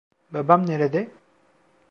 Babam nerede?